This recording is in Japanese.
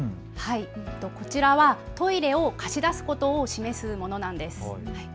こちらはトイレを貸し出すことを示すものなんです。